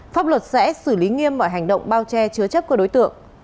pháp luật sẽ xử lý nghiêm mọi hành động bao che chứa chấp của đối tượng